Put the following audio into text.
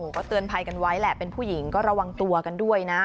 ก็เตือนภัยกันไว้แหละเป็นผู้หญิงก็ระวังตัวกันด้วยนะ